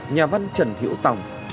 nhà văn trần hiệu tòng